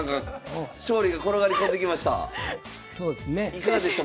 いかがでした？